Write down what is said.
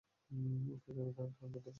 ওকে এখানে টানার কী দরকার?